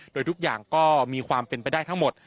โดยทุกอย่างก็มีความเป็นไปได้ทั้งหมด